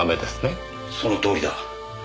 そのとおりだ。